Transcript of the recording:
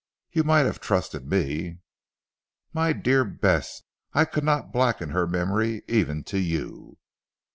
You might have trusted me!" "My dear Bess, I could not blacken her memory, even to you.